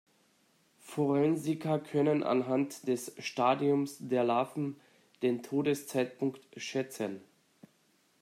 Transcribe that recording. Forensiker können anhand des Stadiums der Larven den Todeszeitpunkt schätzen.